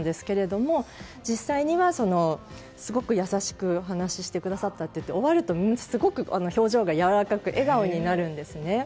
実際には、すごく優しくお話ししてくださったといって終わるとすごく表情がやわらかく笑顔になるんですね。